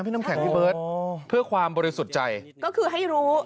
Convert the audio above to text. น้ำแข็งพี่เบิร์ตเพื่อความบริสุทธิ์ใจก็คือให้รู้